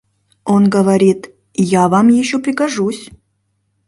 Он говорит: «Я вам ещё пригожусь...»